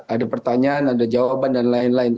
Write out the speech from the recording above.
ada pertanyaan ada jawaban dan lain lain